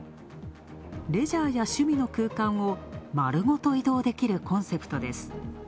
レジャーや趣味の空間を丸ごと移動できるコンセプトです。